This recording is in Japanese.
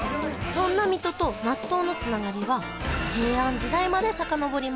そんな水戸と納豆のつながりは平安時代までさかのぼります